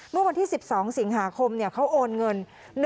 เมื่อวันที่๑๒สิงหาคมเขาโอนเงิน